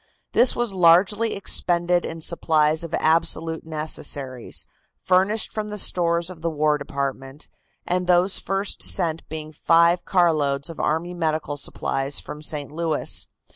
This was largely expended in supplies of absolute necessaries, furnished from the stores of the War Department, and those first sent being five carloads of army medical supplies from St. Louis.